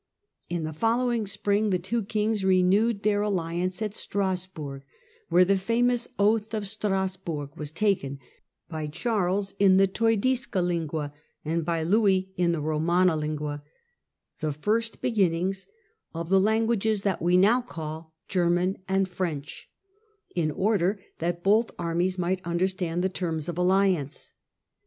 In the following spring the two kings renewed their alliance at Strasburg, where the famous "oath of Strasburg" wa< taken, by Charles in the " teudisca lingua," and by Louis in the " romana lingua "— the first beginnings of the languages that we now call German and French — in order that both armies might understand the terms of alliance.